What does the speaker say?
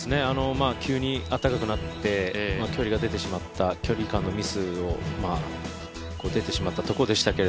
急にあったかくなって距離が出てしまった、距離感のミスが出てしまったところでした